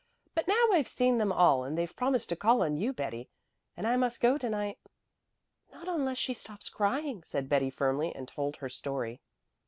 "But now I've seen them all and they've promised to call on you, Betty, and I must go to night." "Not unless she stops crying," said Betty firmly, and told her story.